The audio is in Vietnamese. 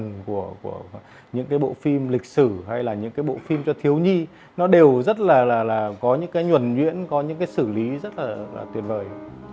tất cả những bộ phim của những cái bộ phim lịch sử hay là những cái bộ phim cho thiếu nhi nó đều rất là là có những cái nhuẩn nhuyễn có những cái xử lý rất là tuyệt vời